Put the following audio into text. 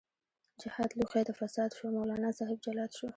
جهاد لوښۍ د فساد شو، مولانا صاحب جلاد شو